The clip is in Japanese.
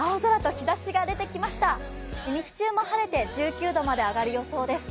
日中も晴れて１９度まで上がる予想です。